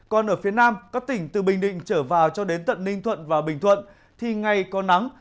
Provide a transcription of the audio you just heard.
còn ở phía nam các tỉnh từ bình định trở vào cho đến tận ninh thuận và bình thuận thì ngày có nắng